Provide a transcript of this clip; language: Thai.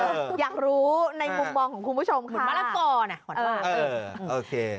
เอออยากรู้ในมุมมองของคุณผู้ชมค่ะเหมือนมะละกอเนี่ยหวานมากเออเออโอเค